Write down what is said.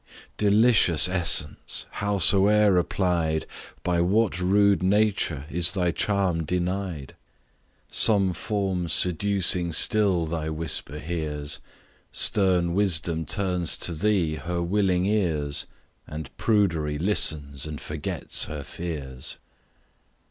Delicious essence! howsoe'er applied, By what rude nature is thy charm denied? Some form seducing still thy whisper wears, Stern Wisdom turns to thee her willing ears, And Prudery listens and forgets her fears.